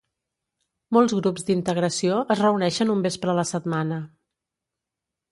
Molts grups d'integració es reuneixen un vespre a la setmana.